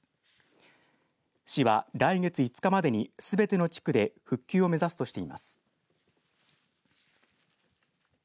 市は、来月５日までにすべての地区で復旧を目指すとしています。